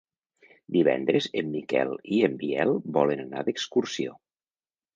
Divendres en Miquel i en Biel volen anar d'excursió.